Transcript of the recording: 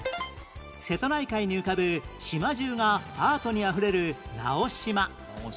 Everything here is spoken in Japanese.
瀬戸内海に浮かぶ島じゅうがアートにあふれる直島